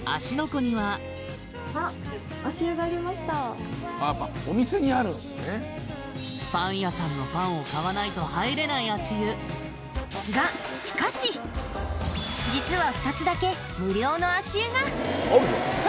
湖にはパン屋さんのパンを買わないと入れない足湯が実は２つだけ無料の足湯が！